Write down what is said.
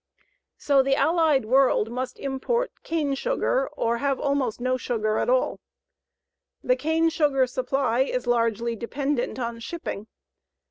So the allied world must import cane sugar or have almost no sugar at all. The cane sugar supply is largely dependent on shipping.